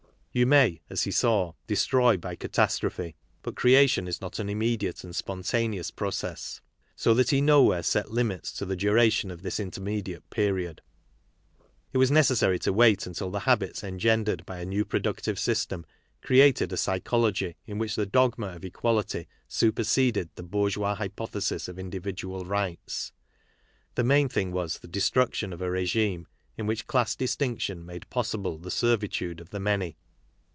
You may, as he saw, destroy by catastrophe, but creation is not an immediate and spontaneous process. So that he nowhere set limits to the duration of this interrnediate period. It was necessary to wait until the habits en gendered by a new productive system created a psycho logy in which the dogma of equality superseded the bourgeois hypothesis of individual rights. The main thing was the destruction of a regime in which class distinction made possible the servitude of the many.